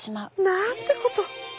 なんてこと！